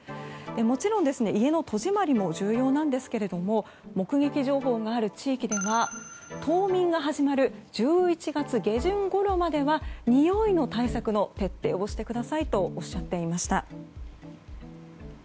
もちろん、家の戸締まりも重要なんですけども目撃情報がある地域では冬眠が始まる１１月下旬ごろまではにおいの対策の徹底をしてくださいとおっしゃっていました。